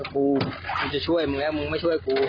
กูมันจะช่วยมึงแล้วมึงไม่ช่วยกู